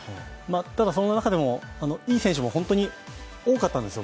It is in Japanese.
ただ、そんな中でも、いい選手も本当に多かったんですよ。